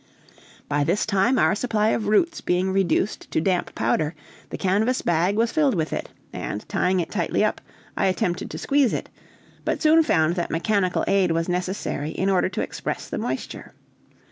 By this time our supply of roots being reduced to damp powder, the canvas bag was filled with it, and tying it tightly up, I attempted to squeeze it, but soon found that mechanical aid was necessary in order to express the moisture.